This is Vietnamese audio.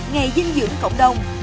ngày dinh dưỡng cộng đồng